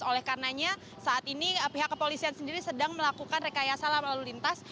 oleh karenanya saat ini pihak kepolisian sendiri sedang melakukan rekayasa lalu lintas